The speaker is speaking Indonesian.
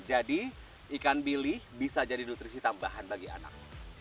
jadi ikan bilik bisa jadi nutrisi tambahan bagi anak